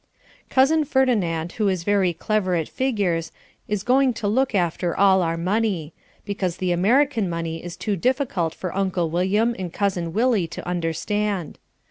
Cousin Ferdinand, who is very clever at figures, is going to look after all our money, because the American money is too difficult for Uncle William and Cousin Willie to understand.